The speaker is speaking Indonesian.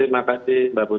terima kasih mbak putri